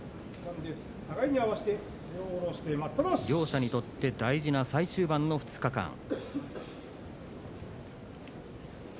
両者にとって大事な最終盤の２日間。